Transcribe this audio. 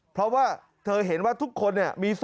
เพราะว่าเธอเห็นว่าทุกคนเนี่ย